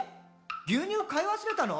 牛乳買い忘れたの？」